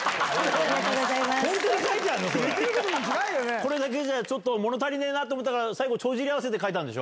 これだけじゃもの足りねぇなと思ったから、最後、帳尻合わせで書いたんでしょ？